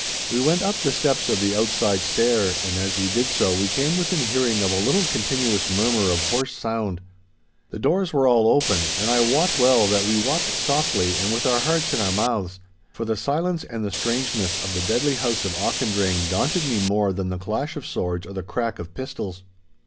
We went up the steps of the outside stair, and as we did so we came within hearing of a little continuous murmur of hoarse sound. The doors were all open, and I wot well that we walked softly and with our hearts in our mouths, for the silence and the strangeness of the deadly house of Auchendrayne daunted me more than the clash of swords or the crack of pistols.